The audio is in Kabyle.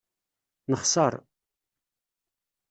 Nexser.